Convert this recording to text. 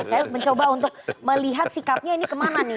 saya mencoba untuk melihat sikapnya ini kemana nih